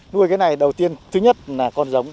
nuôi cái này đầu tiên thứ nhất là con giống